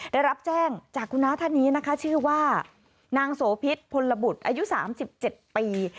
ได้รับแจ้งจากคุณน้าท่านนี้นะคะชื่อว่านางโสพิษพลบุตรอายุ๓๗ปี